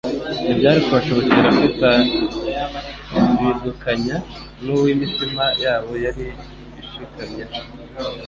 Ntibyari kubashobokera kwitaridukanya n'uwo imitima yabo yari ishikamyeho.